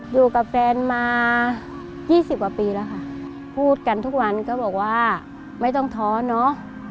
อยู่กับแฟนมายี่สิบกว่าปีแล้วค่ะพูดกันทุกวันก็บอกว่าไม่ต้องท้อเนอะ